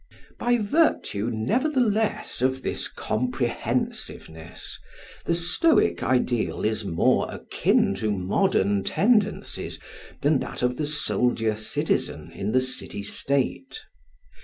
By virtue, nevertheless, of this comprehensiveness, the Stoic ideal is more akin to modern tendencies than that of the soldier citizen in the city state.